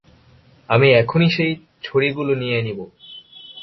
আমি এখনই সেই ছড়িগুলো নিয়ে নিবো।